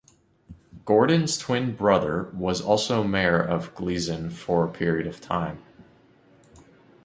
Gordon's twin brother was also Mayor of Gleason for a period of time.